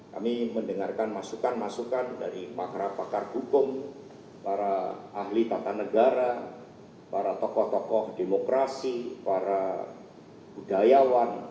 kami mendengarkan masukan masukan dari pakar pakar hukum para ahli tata negara para tokoh tokoh demokrasi para budayawan